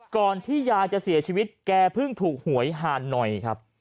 ก่อนที่ยายจะเสียชีวิตแกเพิ่งถูกหวยหาหน่อยครับ